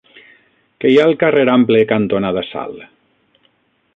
Què hi ha al carrer Ample cantonada Sal?